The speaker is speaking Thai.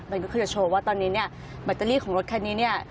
มันก็จะโชว์ว่าตอนนี้แบตเตอรี่ของรถแค่นี้